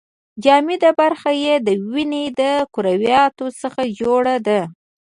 جامده برخه یې د وینې د کرویاتو څخه جوړه ده.